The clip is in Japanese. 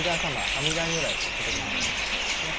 阿弥陀如来という仏様がいらっしゃるんですね。